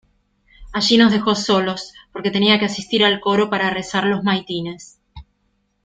allí nos dejó solos, porque tenía que asistir al coro para rezar los maitines.